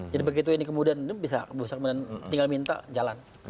jadi begitu ini kemudian bisa bisa kemudian tinggal minta jalan